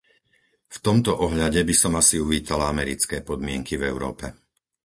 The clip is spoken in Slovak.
V tomto ohľade by som asi uvítala americké podmienky v Európe.